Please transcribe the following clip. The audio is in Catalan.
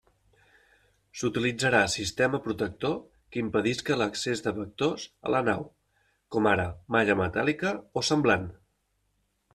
S'utilitzarà sistema protector que impedisca l'accés de vectors a la nau, com ara malla metàl·lica o semblant.